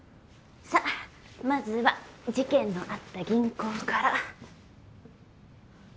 さあまずは事件のあった銀行から。